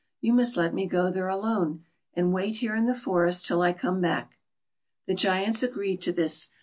You must let me go there alone, and wait here in the forest till I come back." The Giants agreed to this.